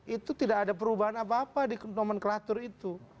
itu tidak ada perubahan apa apa di nomenklatur itu